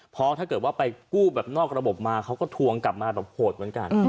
เพราะถ้าเกิดว่าไปกู้แบบนอกระบบมาเขาก็ทวงกลับมาแบบโหดเหมือนกัน